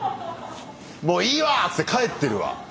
もういいわ！って帰ってるわ。